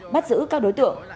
bắt giữ các đối tượng